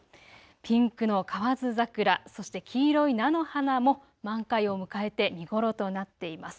ピンクの河津桜、そして黄色い菜の花も満開を迎えて見頃となっています。